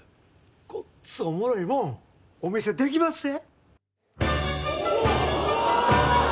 ごっつおもろいもんお見せできまっせ。